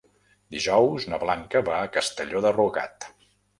Dijous na Blanca va a Castelló de Rugat.